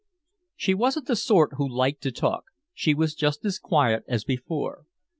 She wasn't the sort who liked to talk, she was just as quiet as before.